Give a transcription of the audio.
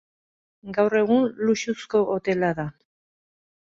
Gaur egun luxuzko hotela da.